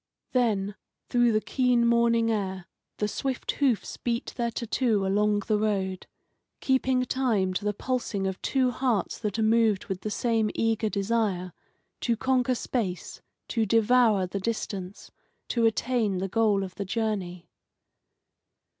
Then, through the keen morning air, the swift hoofs beat their tattoo along the road, keeping time to the pulsing of two hearts that are moved with the same eager desire to conquer space, to devour the distance, to attain the goal of the journey.